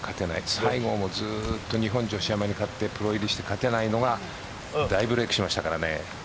西郷もずっと日本女子アマに勝ってプロ入りして勝てないのが大ブレークしましたからね。